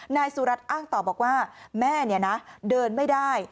นายสุรัตน์อ้างต่อบอกว่าแม่เดินไม่ได้